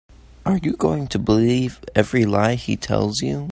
Are you going to believe every lie he tells you?